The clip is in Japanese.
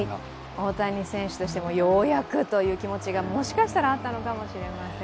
大谷選手としてもようやくという気持ちがもしかしたらあったのかもしれません。